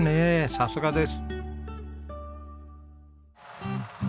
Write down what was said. さすがです。